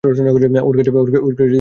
ওর কাছে যাওয়ার এটাই শেষ সুযোগ।